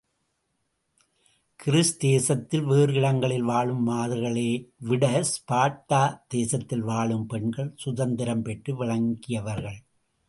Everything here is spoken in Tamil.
கிரீஸ் தேசத்தில் வேறு இடங்களில் வாழும் மாதர்களே விட ஸ்பார்ட்டா தேசத்தில் வாழும் பெண்கள் சுதந்திரம் பெற்று விளங்கியவர்கள்.